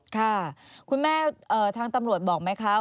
ค่ะคุณแม่ทางตำรวจบอกไหมคะ